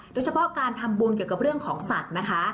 โดยเฉพาะการทำบุญเกี่ยวกับเรื่องของสัตว์นะคะ